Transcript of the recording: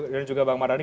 dan juga bang mardani